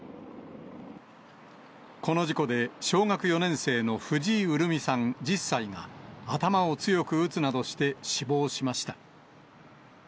この事故で、小学４年生の藤井潤美さん１０歳が、頭を強く打つなどして死亡しました。